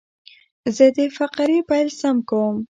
زه د فقرې پیل سم کوم.